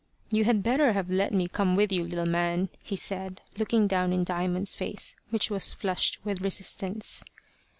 "You had better have let me come with you, little man," he said, looking down in Diamond's face, which was flushed with his resistance.